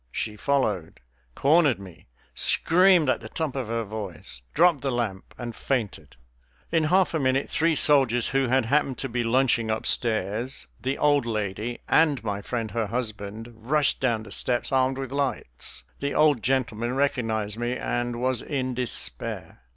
She followed, cornered me, screamed at the top of her voice, dropped the lamp, and fainted. In half a minute three soldiers who had happened to be lunching upstairs, the old lady, and my friend, her husband, rushed down the steps, armed with lights. The old gentleman recognized me and was in despair.